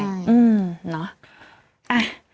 ใช่อืมเนาะ